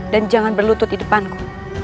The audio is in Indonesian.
dan jangan berlutut di depanku